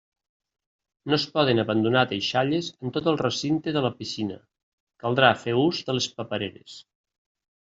No es poden abandonar deixalles en tot el recinte de la piscina, caldrà fer ús de les papereres.